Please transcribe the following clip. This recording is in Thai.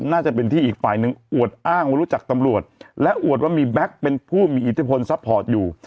น่าจะเป็นที่อีกฝ่ายหนึ่งอวดอ้างว่ารู้จักตำรวจและอวดว่ามีแบ็คเป็นผู้มีอิทธิพลซัพพอร์ตอยู่